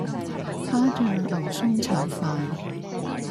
蝦醬牛崧炒飯